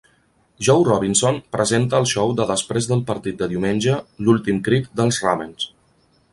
Joe Robinson presenta el show de després del partit de diumenge "L'últim crit dels Ravens".